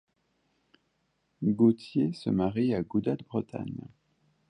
Gauthier se marie à Guda de Bretagne.